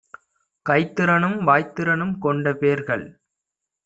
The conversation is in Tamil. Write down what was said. கைத்திறனும் வாய்த்திறனும் கொண்டபேர்கள்